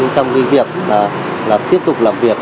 trong cái việc là tiếp tục làm việc